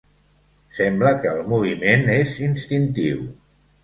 Sembla, que el moviment és instintiu